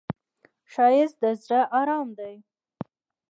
ښایست د زړه آرام دی